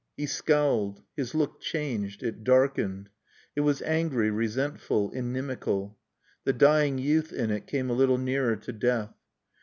He scowled. His look changed. It darkened. It was angry, resentful, inimical. The dying youth in it came a little nearer to death.